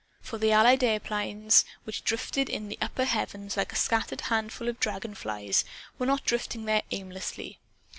For the Allied airplanes which drifted in the upper heavens like a scattered handful of dragon flies were not drifting there aimlessly.